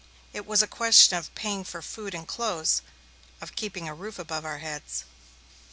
It was a question of paying for food and clothes, of keeping a roof above our heads.